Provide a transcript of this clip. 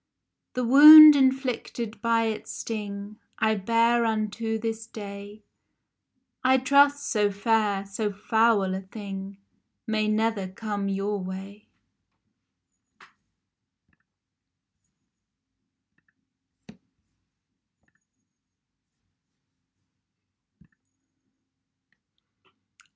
The wound inflicted by its sting I bear unto this day ; I trust so fair, so foul a thing May never come your way